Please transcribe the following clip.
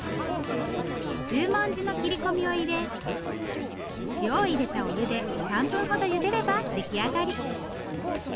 十文字の切り込みを入れ塩を入れたお湯で３分ほどゆでれば出来上がり。